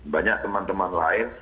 banyak teman teman lain